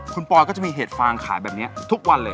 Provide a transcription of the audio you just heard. คุณปอยก็จะมีเห็ดฟางขายแบบนี้ทุกวันเลย